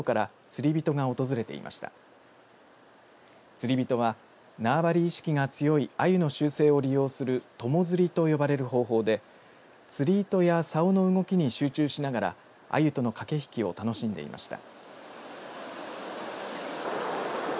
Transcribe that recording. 釣り人は縄張り意識が強いアユの習性を利用する友釣りと呼ばれる方法で釣り糸やさおの動きに集中しながらアユとの駆け引きを楽しんでいました。